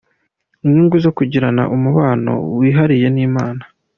Inyungu zo kugirana umubano wihariye n’Imana.